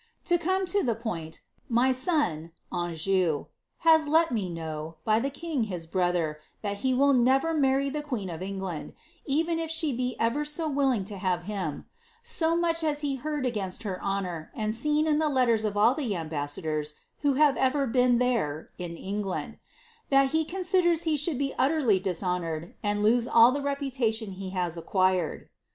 To come to the point, my son ; Anjou) has let me know, by the king his brother, that he will never marry the queen of England, even if she be ever so willing to have him ~so much has he heard against her honour, and seen in the letters ot all the ambassadors who have ever been there (in England), that he con siders he should be utterly dishonoured, and lose all the reputation he has acquired.